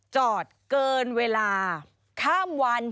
จอดเกินเวลาข้ามวัน